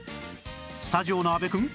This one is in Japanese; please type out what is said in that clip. スタジオの阿部くん